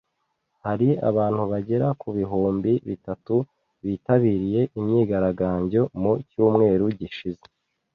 Hari abantu bagera ku bihumbi bitatu bitabiriye imyigaragambyo mu cyumweru gishize